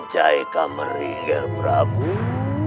jika kamu tidak berhubung